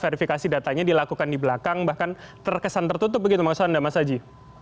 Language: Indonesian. verifikasi datanya dilakukan di belakang bahkan terkesan tertutup begitu maksud anda mas aji